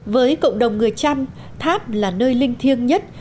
với cộng đồng người trăm tháp là nơi linh thiêng nhất